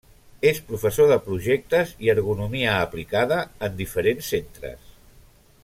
És professor de projectes i ergonomia aplicada en diferents centres.